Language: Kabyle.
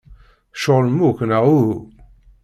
Tceɣlem akk, neɣ uhu?